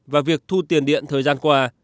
và việc thu tiền điện thời gian qua